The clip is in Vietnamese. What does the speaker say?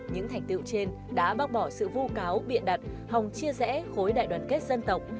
những thành tựu trên đã bác bỏ sự vu cáo biện đặt hòng chia rẽ khối đại đoàn kết dân tộc